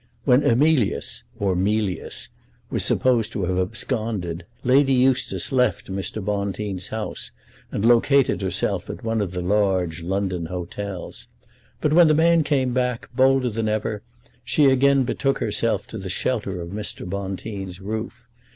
When Emilius, or Mealyus, was supposed to have absconded, Lady Eustace left Mr. Bonteen's house, and located herself at one of the large London hotels; but when the man came back, bolder than ever, she again betook herself to the shelter of Mr. Bonteen's roof.